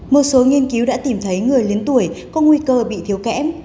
một số nghiên cứu đã tìm thấy người lớn tuổi có nguy cơ bị thiếu kẽm